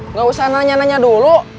nggak usah nanya nanya dulu